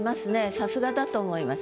さすがだと思います。